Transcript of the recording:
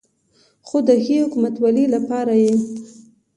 خو د ښې حکومتولې لپاره یې